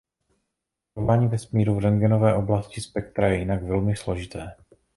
Pozorování vesmíru v rentgenové oblasti spektra je jinak velmi složité.